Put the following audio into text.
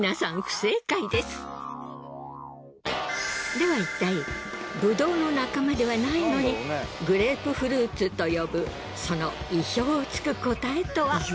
ではいったいぶどうの仲間ではないのにグレープフルーツと呼ぶその意表を突く答えとは？